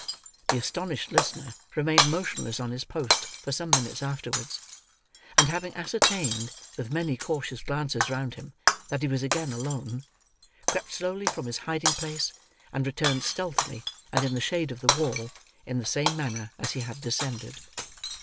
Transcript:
The astonished listener remained motionless on his post for some minutes afterwards, and having ascertained, with many cautious glances round him, that he was again alone, crept slowly from his hiding place, and returned, stealthily and in the shade of the wall, in the same manner as he had descended.